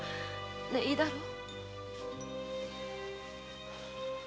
ねいいだろう。